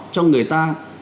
cho người ta